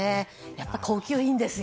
やっぱり高級品ですよ。